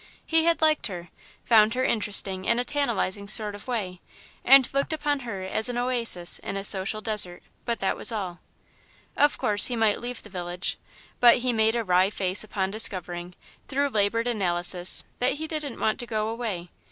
He had liked her, found her interesting in a tantalising sort of way, and looked upon her as an oasis in a social desert, but that was all. Of course, he might leave the village, but he made a wry face upon discovering, through laboured analysis, that he didn't want to go away.